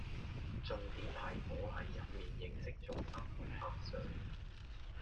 重點係我係入面認識咗三位阿 sir⠀⠀